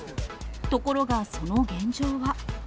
ところがその現状は。